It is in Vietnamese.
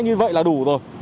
như vậy là đủ rồi